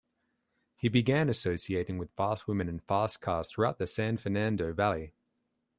He "began associating with fast women and fast cars throughout the San Fernando Valley".